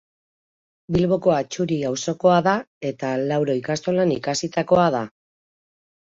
Bilboko Atxuri auzokoa da eta Lauro ikastolan ikasitakoa da.